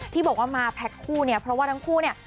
ที่บอกว่ามาแพ็คคู่เนี่ยเพราะว่าทั้งคู่เนี่ย